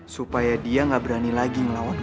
supaya dia gak berani lagi ngelawat gue